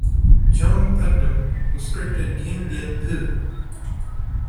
John Putnam, who scripted Dien Bien Phu!